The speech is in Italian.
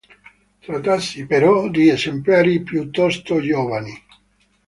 Trattasi, però, di esemplari piuttosto giovani.